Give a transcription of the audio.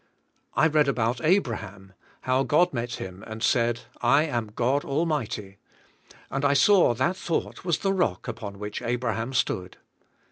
I read about Abraham, how God met him and said, *'l am God Almighty," and I saw that thoug ht was the rock upon which Abraham stood.